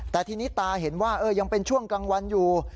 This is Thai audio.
แต่ทีนี้ตาเห็นว่ายังเป็นช่วงกลางวันอยู่